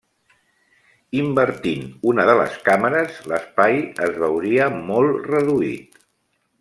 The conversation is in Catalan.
Invertint una de les càmeres, l'espai es veuria molt reduït.